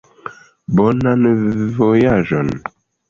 Bonan vojaĝon!